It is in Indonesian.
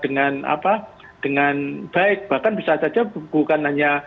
dengan apa dengan baik bahkan bisa saja bukan hanya